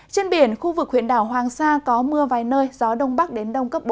trên biển khu vực huyện đảo hoàng sa có mưa vài nơi gió đông bắc đến đông cấp bốn